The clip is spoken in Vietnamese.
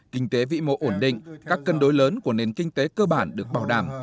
kinh tế vĩ mô ổn định các cân đối lớn của nền kinh tế cơ bản được bảo đảm